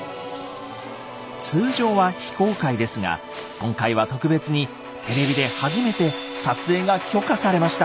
通常は非公開ですが今回は特別にテレビで初めて撮影が許可されました！